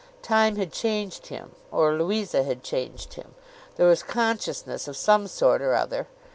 Time had changed him, or Louisa had changed him. There was consciousness of some sort or other.